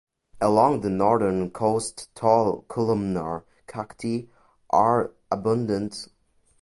Along the northern coast tall columnar cacti are abundant.